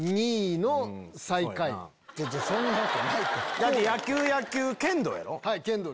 だって野球野球剣道やろ。